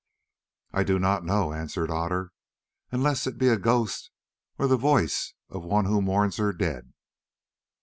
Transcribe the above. "I do not know," answered Otter, "unless it be a ghost, or the voice of one who mourns her dead."